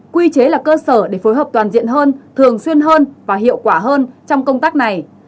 quy chế là cơ sở để phối hợp toàn diện hơn thường xuyên hơn và hiệu quả hơn trong công tác này